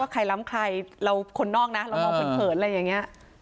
ใครล้ำใครเราคนนอกนะเรามองเผินอะไรอย่างนี้